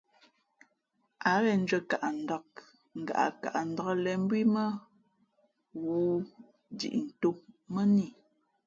Ǎ ghen ndʉ̄ᾱnkaʼndāk ngaʼkaʼndāk lēn mbū ī mά ghoōndiʼtōʼ mᾱ nά i.